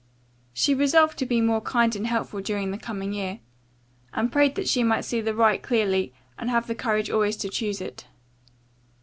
She resolved to be more kind and helpful during the coming year, and prayed that she might see the right clearly and have the courage always to choose it.